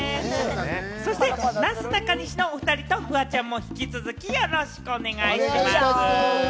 そして、なすなかにしのおふたりとフワちゃんも引き続きよろしくお願いします。